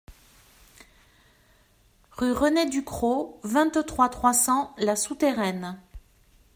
Rue René Ducros, vingt-trois, trois cents La Souterraine